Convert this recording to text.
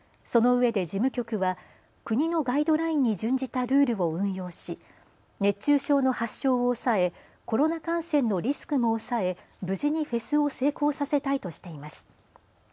そのうえで事務局は国のガイドラインに準じたルールを運用し熱中症の発症を抑えコロナ感染のリスクも抑え、無事にフェスを成功させたいとしています。